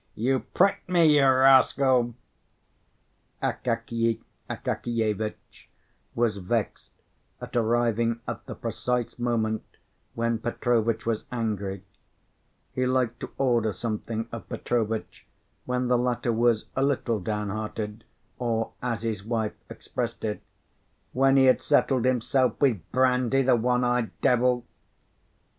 you pricked me, you rascal!" Akakiy Akakievitch was vexed at arriving at the precise moment when Petrovitch was angry; he liked to order something of Petrovitch when the latter was a little downhearted, or, as his wife expressed it, "when he had settled himself with brandy, the one eyed devil!"